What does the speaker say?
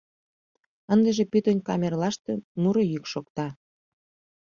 Ындыже пӱтынь камерылаште муро йӱк шокта.